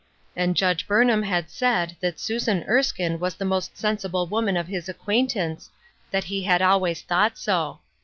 And Judge Burnham had said that Susan Erskine was the most sensible woman of his acquaintance ; that he had always thought so.